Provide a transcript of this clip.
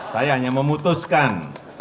saya hanya memutuskan